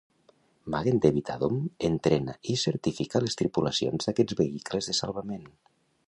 Magen David Adom entrena i certifica les tripulacions d'aquests vehicles de salvament.